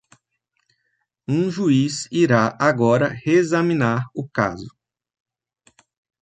Um juiz irá agora reexaminar o caso.